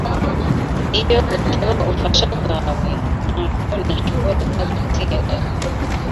Iyo utaba ubufasha bwawe, ntabwo nashoboraga gutsinda.